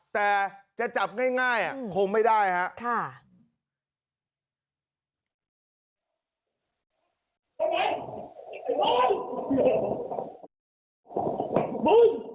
แต่จะจับง่ายคงไม่ได้ครับ